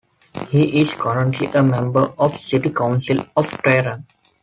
He is currently a member of City Council of Tehran.